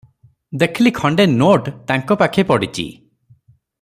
ଦେଖିଲି ଖଣ୍ଡେ ନୋଟ ତାଙ୍କ ପାଖେ ପଡ଼ିଚି ।